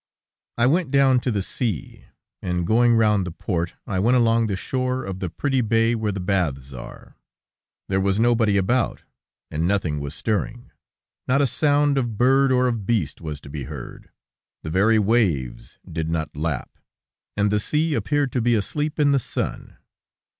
I went down to the sea, and going round the port, I went along the shore of the pretty bay where the baths are. There was nobody about, and nothing was stirring; not a sound of bird or of beast was to be heard, the very waves did not lap, and the sea appeared to be asleep in the sun.